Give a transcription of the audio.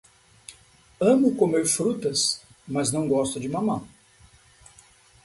Amo comer frutas, mas não gosto de mamão.